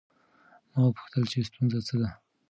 ما وپوښتل چې ستونزه څه ده؟